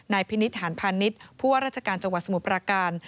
นายพินิศหานพาณิศผู้ว่าราชการจังหวัดสมุปราการ